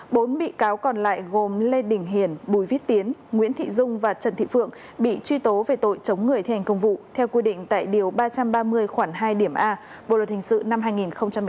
bốn bị cáo còn lại gồm lê đình hiền bùi viết tiến nguyễn thị dung và trần thị phượng bị truy tố về tội chống người thi hành công vụ theo quy định tại điều ba trăm ba mươi khoảng hai điểm a bộ luật hình sự năm hai nghìn một mươi năm